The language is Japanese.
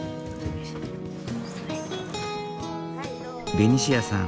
ベニシアさん。